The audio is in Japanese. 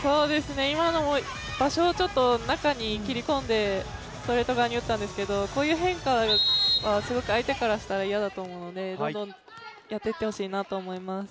今のも場所をちょっと中に切り込んで、ストレート側に打ったんですけど、こういう変化はすごく相手からしたら嫌だと思うのでどんどんやっていってほしいなと思います。